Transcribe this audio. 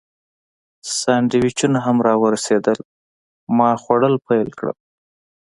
سانډویچونه هم راورسېدل، ما خوړل پیل کړل.